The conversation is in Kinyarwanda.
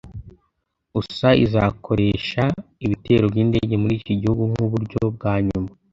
USA izakoresha ibitero byindege muri iki gihugu nkuburyo bwa nyuma.